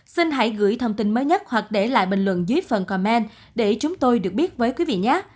xin hãy gửi thông tin mới nhất hoặc để lại bình luận dưới phần comment để chúng tôi được biết với quý vị nhé